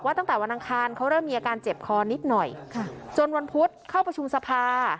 ตั้งแต่วันอังคารเขาเริ่มมีอาการเจ็บคอนิดหน่อยค่ะจนวันพุธเข้าประชุมสภา